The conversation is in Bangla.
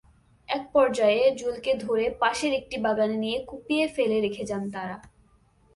একপর্যায়ে জুয়েলকে ধরে পাশের একটি বাগানে নিয়ে কুপিয়ে ফেলে রেখে যান তাঁরা।